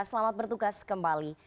selamat bertugas kembali